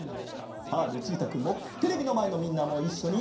さあルチータくんもテレビのまえのみんなもいっしょに！